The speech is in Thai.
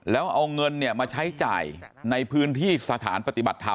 แล้วเอาเงินมาใช้จ่ายในพื้นที่สถานปฏิบัติธรรม